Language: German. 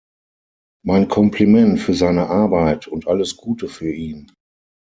Mein Kompliment für seine Arbeit und alles Gute für ihn.